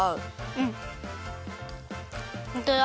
うん。